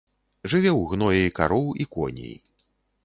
Жыве ў гноі кароў і коней.